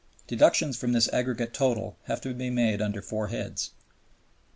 Deductions from this aggregate total have to be made under four heads.